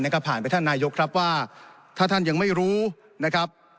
ก็ผ่านไปท่านนายกครับว่าถ้าท่านยังไม่รู้นะครับ